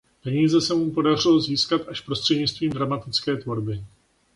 Peníze se mu podařilo získat až prostřednictvím dramatické tvorby.